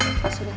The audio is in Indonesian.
silakan pak surya